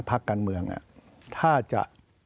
พักการเมืองถ้าจะ